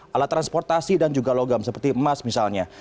alat transportasi dan juga logam seperti emas misalnya